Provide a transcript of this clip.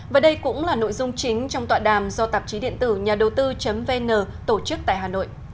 và đây cũng là nội dung chính trong tọa đàm do tạp chí điện tử nhà đầu tư vn tổ chức tại hà nội